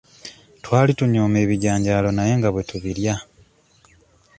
Twali tunyooma ebijanjaalo naye nga bwe tubirya.